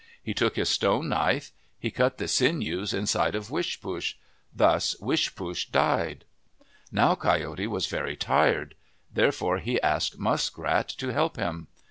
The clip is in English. He took his stone knife. He cut the sinews inside of Wishpoosh. Thus Wish poosh died. Now Coyote was very tired. Therefore he asked Muskrat to help him.